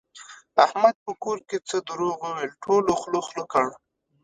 احمد په کور کې څه دروغ وویل ټولو خوله خوله کړ.